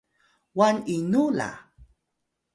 wan inu la?